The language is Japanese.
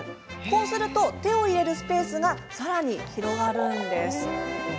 こうすると手を入れるスペースがさらに広がるんです。